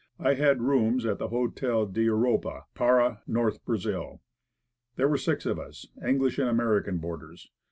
I had rooms at the Hotel d'Europe, Para, North Brazil. There were six of us, English and American board ers.